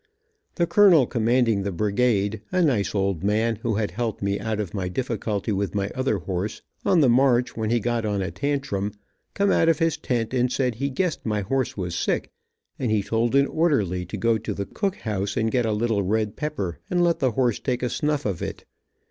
The colonel commanding the brigade, the nice old man who had helped me out of my difficulty with my other horse, on the march when he got on a tantrum, come out of his tent and said he guessed my horse was sick, and he told an orderly to go to the cook house and get a little red pepper and let the horse take a snuff of it.